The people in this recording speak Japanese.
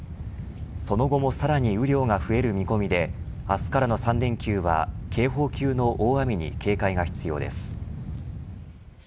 その後もさらに雨量が増える見込みで明日からの３連休は警報級の大雨に警戒が必要です。